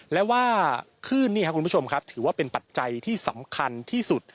และว่าคลื่นนี่ครับคุณผู้ชมครับถือว่าเป็นปัจจัยที่สำคัญที่สุด